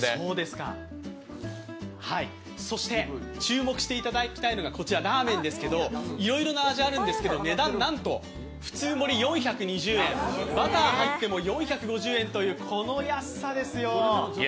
そして、注目していただきたいのがいろいろな味があるんですけど、値段はなんと普通盛り４２０円、バター入っても４５０円というこの安さですよ。